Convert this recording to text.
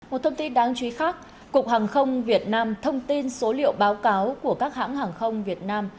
một thông tin đáng chú ý khác cục hàng không việt nam thông tin số liệu báo cáo của các hãng hàng không việt nam